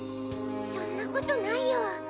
そんなことないよ。